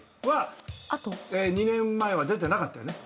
２年前は出てなかったよね。